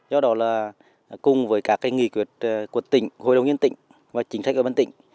do đó là cùng với các nghị quyết của tỉnh hội đồng nhân tỉnh